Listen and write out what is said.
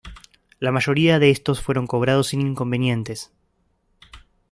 La mayoría de estos fueron cobrados sin inconvenientes.